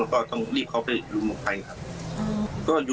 มันก็ต้องรีบเข้าไปอยู่หมดไปครับ